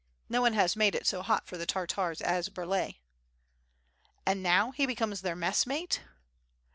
No one has made it so hot for the Tartars as Burlay." "And now he becomes their messmate?"